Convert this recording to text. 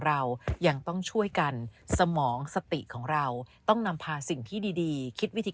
เรายังต้องช่วยกันสมองสติของเราต้องนำพาสิ่งที่ดีคิดวิธี